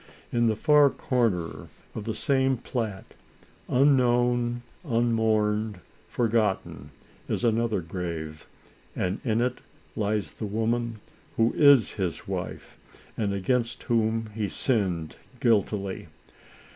In the far corner of the same plat, unknown, unmourned, forgotten, is another grave, and in it lies the woman who is his wife, and against whom he sinned guiltily.